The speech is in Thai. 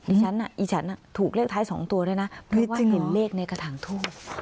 ฉันอีฉันถูกเลขท้าย๒ตัวด้วยนะเพราะว่าเห็นเลขในกระถางทูบ